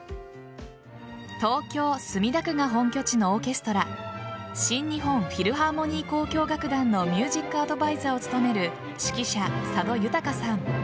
東京・墨田区が本拠地のオーケストラ新日本フィルハーモニー交響楽団のミュージックアドバイザーを務める指揮者・佐渡裕さん。